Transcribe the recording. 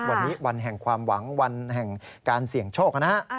วันนี้วันแห่งความหวังวันแห่งการเสี่ยงโชคนะฮะ